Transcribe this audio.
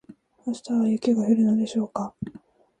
明日は雪が降るのでしょうか